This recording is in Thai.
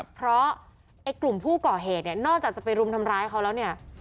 เพราะไอ้กลุ่มผู้ก่อเหตุเนี่ยนอกจากจะไปรุมทำร้ายเขาแล้วเนี่ย